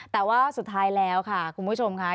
แต่ว่าสุดท้ายแล้วค่ะคุณผู้ชมค่ะ